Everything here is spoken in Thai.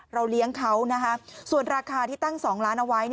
เลี้ยงเขานะคะส่วนราคาที่ตั้ง๒ล้านเอาไว้